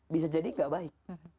bisa jadi tidak baik